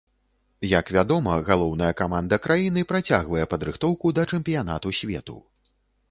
Як вядома, галоўная каманда краіны працягвае падрыхтоўку да чэмпіянату свету.